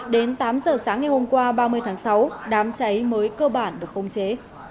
đến tám giờ sáng ngày hôm qua ba mươi tháng sáu đám cháy mới cơ bản được không chế